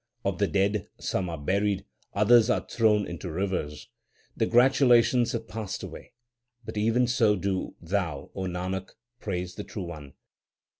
Of the dead some are buried, others are thrown into rivers. 1 The gratulations have passed away ; but even so do thou, O Nanak, praise the True One.